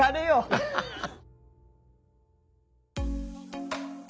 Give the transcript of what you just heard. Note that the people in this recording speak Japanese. アハハッ。